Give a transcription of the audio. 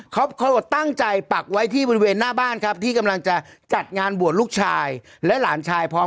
เขาบอกตั้งใจปักไว้ที่บริเวณหน้าบ้านครับที่กำลังจะจัดงานบวชลูกชายและหลานชายพร้อม